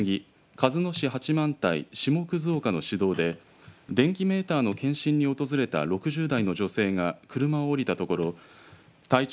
鹿角市八幡平下葛岡の市道で電気メーターの検針に訪れた６０代の女性が車を降りたところ体長